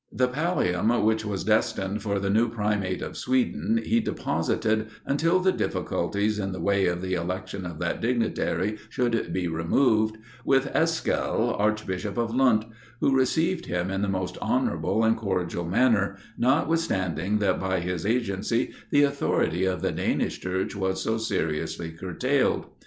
The pallium which was destined for the new primate of Sweden, he deposited, until the difficulties in the way of the election of that dignitary should be removed, with Eskill, Archbishop of Lund, who received him in the most honorable and cordial manner, notwithstanding that by his agency the authority of the Danish Church was so seriously curtailed.